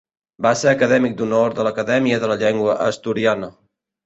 Va ser acadèmic d'honor de l'Acadèmia de la Llengua Asturiana.